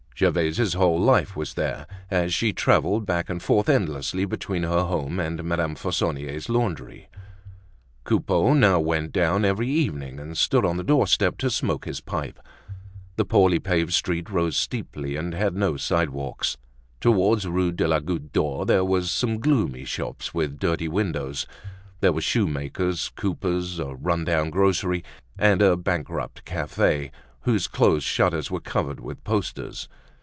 Gervaise's whole life was there, as she traveled back and forth endlessly between her home and Madame Fauconnier's laundry. Coupeau now went down every evening and stood on the doorstep to smoke his pipe. The poorly paved street rose steeply and had no sidewalks. Toward Rue de la Goutte d'Or there were some gloomy shops with dirty windows. There were shoemakers, coopers, a run down grocery, and a bankrupt cafe whose closed shutters were covered with posters.